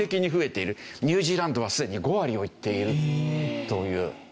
ニュージーランドはすでに５割をいっているという。